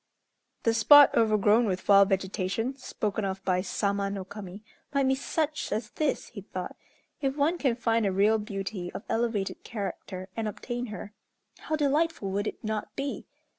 "The spot overgrown with wild vegetation, spoken of by Sama no Kami might be such as this," he thought. "If one can find a real beauty of elevated character and obtain her, how delightful would it not be!